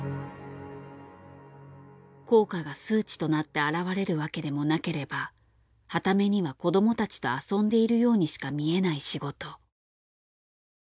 効果が数値となって表れるわけでもなければはた目には子どもたちと遊んでいるようにしか見えない仕事。